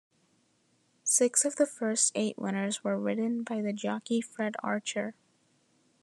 Six of the first eight winners were ridden by the jockey Fred Archer.